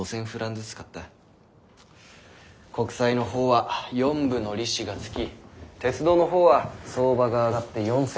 国債の方は４分の利子がつき鉄道の方は相場が上がって４，０００フラン。